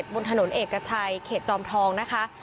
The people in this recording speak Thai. บนถนนเอกชัยเขตจอมทองนะคะ